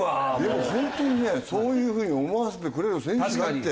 でも本当にねそういう風に思わせてくれる選手だって。